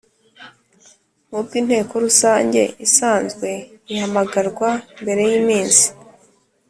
Nk ubw inteko rusange isanzwe ihamagarwa mbere y iminsi